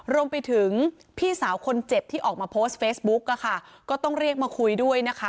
รวมไปถึงพี่สาวคนเจ็บที่ออกมาโพสต์เฟซบุ๊กอะค่ะก็ต้องเรียกมาคุยด้วยนะคะ